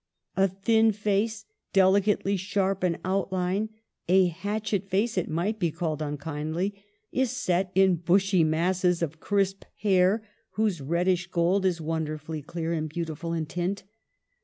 A thin face, delicately sharp in outline, a hatchet face it might be called unkindly, is set in bushy masses of crisp hair, whose reddish gold is wonderfully clear and beautiful in tint.